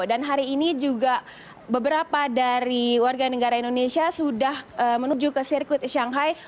dan hari ini juga beberapa dari warga negara indonesia sudah menuju ke sirkuit shanghai